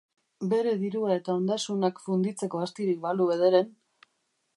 Bere dirua eta ondasunak funditzeko astirik balu bederen!